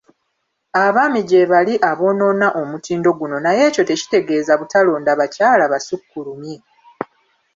Abaami gyebali aboonoona omutindo guno naye ekyo tekitegeeza butalonda bakyala basukkulumye.